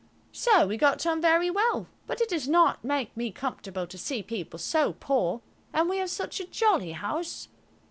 So we got on very well, but it does not make me comfortable to see people so poor and we have such a jolly house.